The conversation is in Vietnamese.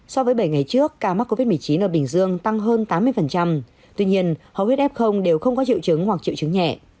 so với bảy ngày trước ca mắc covid một mươi chín ở bình dương tăng hơn tám mươi tuy nhiên hầu hết f đều không có triệu chứng hoặc triệu chứng nhẹ